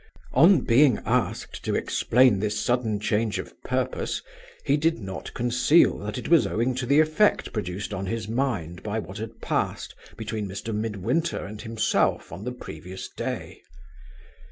On being asked to explain this sudden change of purpose, he did not conceal that it was owing to the effect produced on his mind by what had passed between Mr. Midwinter and himself on the previous day.